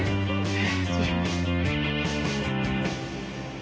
え。